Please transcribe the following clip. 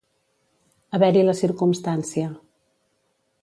Haver-hi la circumstància.